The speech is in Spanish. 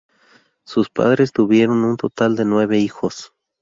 Sus padres tuvieron un total de nueve hijos.